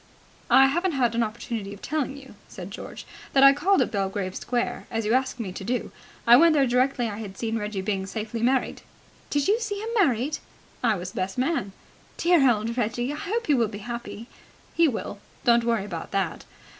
"I haven't had an opportunity of telling you," said George, "that I called at Belgrave Square, as you asked me to do. I went there directly I had seen Reggie Byng safely married." "Did you see him married?" "I was best man." "Dear old Reggie! I hope he will be happy." "He will. Don't worry about that.